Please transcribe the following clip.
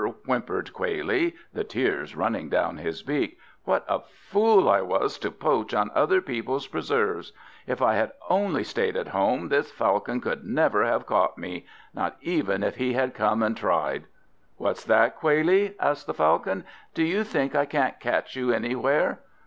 whimpered Quailie, the tears running down his beak, "what a fool I was to poach on other people's preserves! If I had only stayed at home this Falcon could never have caught me, not even if he had come and tried!" "What's that, Quailie?" asked the Falcon. "Do you think I can't catch you anywhere?"